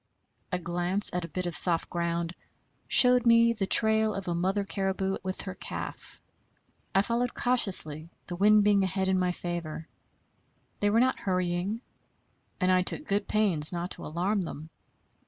A glance at a bit of soft ground showed me the trail of a mother caribou with her calf. I followed cautiously, the wind being ahead in my favor. They were not hurrying, and I took good pains not to alarm them.